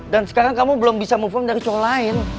dan sekarang kamu belum bisa move on dari cowok lain